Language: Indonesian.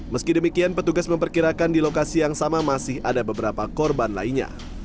meski demikian petugas memperkirakan di lokasi yang sama masih ada beberapa korban lainnya